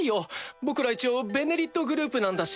僕ら一応「ベネリット」グループなんだし。